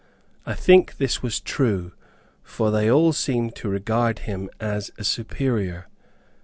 I think this was true, for they all seemed to regard him as a superior.